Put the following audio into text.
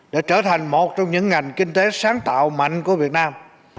để trở thành một trong những ngành kinh tế sáng tạo mạnh của việt nam